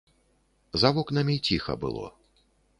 За вокнамі ціха было.